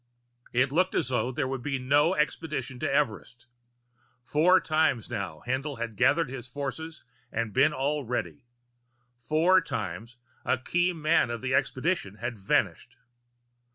It looked as though there would be no expedition to Everest. Four times now, Haendl had gathered his forces and been all ready. Four times, a key man of the expedition had vanished.